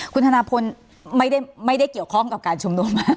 คุณธนาพลไม่ได้เกี่ยวข้องกับการชุมนุม